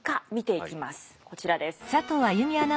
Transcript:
こちらです。